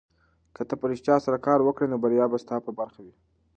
که ته په رښتیا سره کار وکړې نو بریا به ستا په برخه وي.